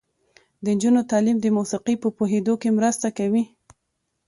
د نجونو تعلیم د موسیقۍ په پوهیدو کې مرسته کوي.